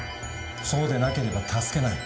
「そうでなければ助けない」